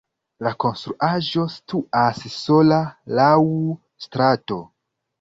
La konstruaĵo situas sola laŭ strato.